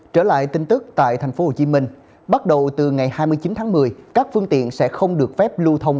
trở lại tin tức tại tp hcm bắt đầu từ ngày hai mươi chín tháng một mươi các phương tiện sẽ không được phép lưu thông